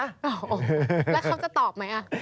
โอ้โหแล้วเขาจะตอบไหม